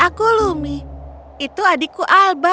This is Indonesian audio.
aku lumi itu adikku alba